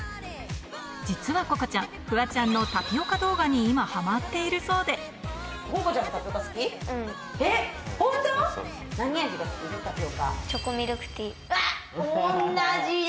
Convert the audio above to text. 実はここちゃん、フワちゃんのタピオカ動画に今、ハマっているそうで。